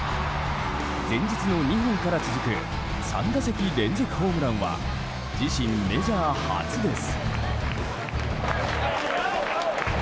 前日の２本から続く３打席連続ホームランは自身メジャー初です。